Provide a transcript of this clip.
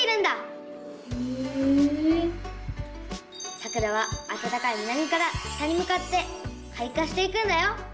さくらはあたたかい南から北にむかってかい花していくんだよ。